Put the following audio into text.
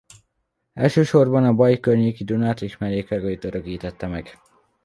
Elsősorban a Baja környéki Dunát és mellékágait örökítette meg.